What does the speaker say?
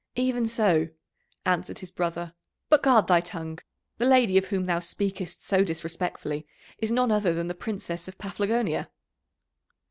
"Even so," answered his brother, "but guard thy tongue. The lady of whom thou speakest so disrespectfully is none other than the Princess of Paphlagonia."